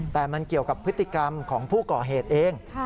แต่มันเกี่ยวกับพฤติกรรมของผู้ก่อเหตุเอง